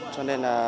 cho nên là